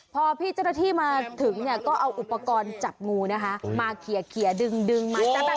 พอพี่เจ้าหน้าที่มาถึงเนี่ยก็เอาอุปกรณ์จับงูนะคะมาเคลียร์ดึงมา